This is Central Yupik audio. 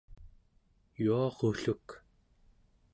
yuarulluk